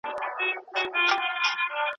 هلک د نجلۍ د مور په اړه هيڅ نه پوښتل.